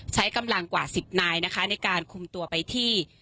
ใช้กำลังกว่า๑๐นายนะคะในการคุมตัวไปที่